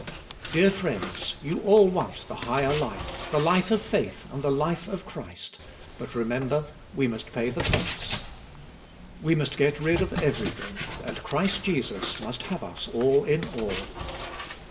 Dear friends, you all want the higher life, the life of faith, and the life of Christ, but remember, we must pay the price We must get rid of everything and Christ Jesus must have us all in all.